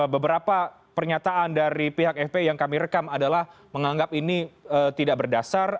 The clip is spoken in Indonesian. beberapa pernyataan dari pihak fpi yang kami rekam adalah menganggap ini tidak berdasar